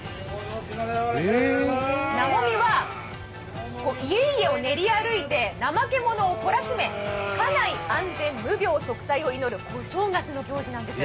なもみは家々を練り歩いて怠け者をこらしめ、家内安全・無病息災を祈る小正月の行事なんです。